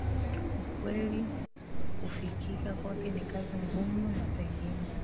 ukweli kufikika kwake ni kazi ngumu na pengine